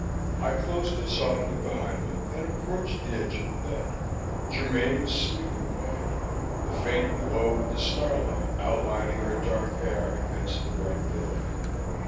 I closed it softly behind me and approached the edge of the bed. Germaine was sleeping quietly, the faint glow of the starlight outlining her dark hair against the white pillow.